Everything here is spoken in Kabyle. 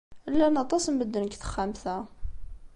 Llan aṭas n medden deg texxamt-a.